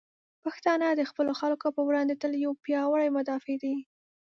پښتانه د خپلو خلکو په وړاندې تل یو پیاوړي مدافع دی.